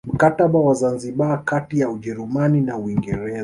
Mkataba wa Zanzibar kati ya Ujerumani na Uingereza